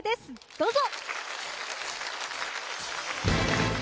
どうぞ。